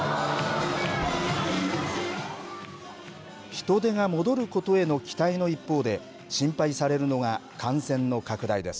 人出が戻ることへの期待の一方で心配されるのが感染の拡大です。